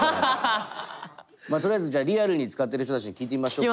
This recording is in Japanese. とりあえずじゃあリアルに使ってる人たちに聞いてみましょうか。